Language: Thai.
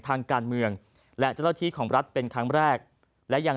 ทางการเมืองและเจ้าหน้าที่ของรัฐเป็นครั้งแรกและยัง